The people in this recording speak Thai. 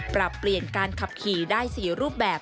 ปรับเปลี่ยนการขับขี่ได้๔รูปแบบ